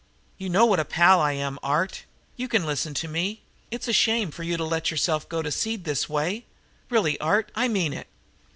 You know what a pal I am, Art. You can listen to me. It's a shame for you to let yourself go to seed this way. Really, Art, I mean it."